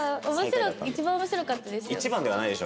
一番面白かったですよ。